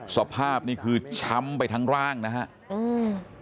สภาพนี่คือช้ำไปทั้งร่างนะฮะอืม